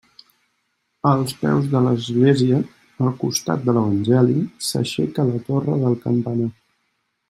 Als peus de l'església, al costat de l'evangeli, s'aixeca la torre del campanar.